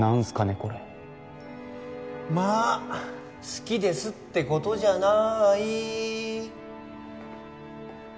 これまあ「好きです」ってことじゃない？